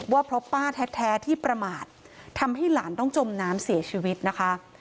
ว่าเพราะป้าแท้ที่ประมาททำให้หลานต้องจมน้ำเสียชีวิตนะคะ